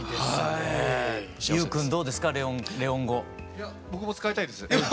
いや僕も使いたいです。